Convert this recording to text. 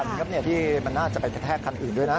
คันครับเนี่ยที่มันน่าจะไปแทรกคันอื่นด้วยนะ